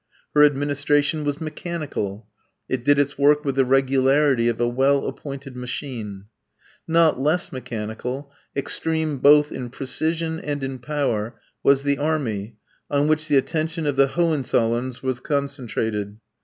Her administration was mechanical; it did its work with the regularity of a well appointed machine. Not less mechanical extreme both in precision and in power was the army, on which the attention of the Hohenzollerns was concentrated.